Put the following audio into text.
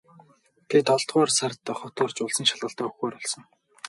Би долоодугаар сард хот орж улсын шалгалтаа өгөхөөр болсон.